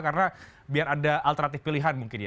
karena biar ada alternatif pilihan mungkin ya